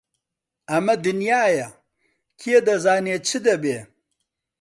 ئەمە دنیایە، کێ دەزانێ چ دەبێ!